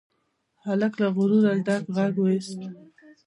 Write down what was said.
هلک له غروره ډک غږ واېست.